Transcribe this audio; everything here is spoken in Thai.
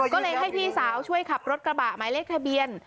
ก็เลยให้พี่สาวช่วยขับรถกระบะหมายเลขทะเบียน